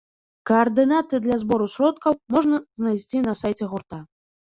Каардынаты для збору сродкаў можна знайсці на сайце гурта.